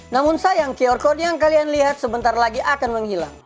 namun sayang qr code yang kalian lihat sebentar lagi akan menghilang